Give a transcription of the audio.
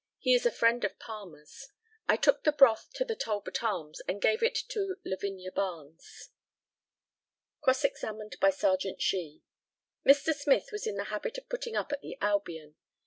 He is a friend of Palmer's. I took the broth to the Talbot Arms, and gave it to Lavinia Barnes. Cross examined by Mr. Serjeant SHEE. Mr. Smith was in the habit of putting up at the Albion.